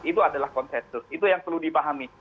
itu adalah konsensus itu yang perlu dipahami